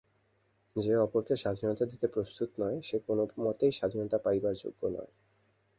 যে অপরকে স্বাধীনতা দিতে প্রস্তুত নয়, সে কোনমতেই স্বাধীনতা পাইবার যোগ্য নহে।